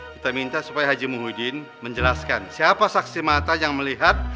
kita minta supaya haji muhyiddin menjelaskan siapa saksi mata yang melihat